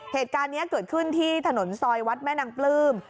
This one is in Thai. เหตุการณ์นี้เกิดขึ้นที่ถนนซอยวัดแม่นางปลื้ม